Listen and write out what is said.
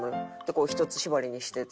こうひとつ縛りにしてて。